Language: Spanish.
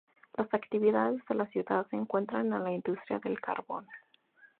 Las actividades de la ciudad se centran en la industria del carbón.